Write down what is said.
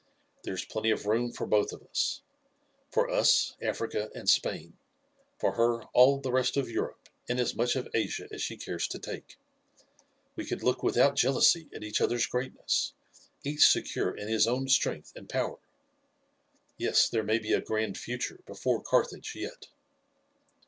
There is plenty of room for both of us. For us, Africa and Spain; for her all the rest of Europe and as much of Asia as she cares to take. We could look without jealousy at each other's greatness, each secure in his own strength and power. Yes, there may be a grand future before Carthage yet."